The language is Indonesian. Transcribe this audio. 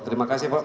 terima kasih prof